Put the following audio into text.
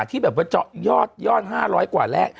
ที่แบบว่าเจาะยอด๕๐๐กว่าแรก